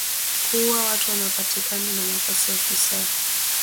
Kuuwa watu wanaopatikana na makosa ya ufisadi